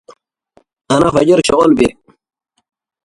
Bourdain consequently became a celebrity.